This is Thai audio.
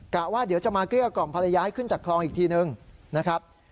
ว่าเดี๋ยวจะมาเกลี้ยกล่อมภรรยาให้ขึ้นจากคลองอีกทีนึงนะครับ